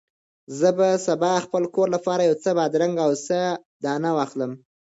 زه به سبا د خپل کور لپاره یو څه بادرنګ او سیاه دانه واخلم.